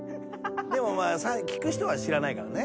でもまあ聴く人は知らないからね。